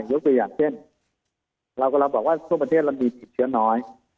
ยกตัวอย่างเช่นเรากำลังบอกว่าทั่วประเทศเรามีติดเชื้อน้อย